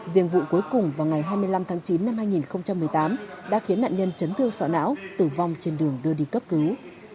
riêng vụ cuối cùng vào ngày hai mươi năm tháng chín năm hai nghìn một mươi tám đã khiến nạn nhân chấn thương sọ não tử vong trên đường đưa đi cấp cứu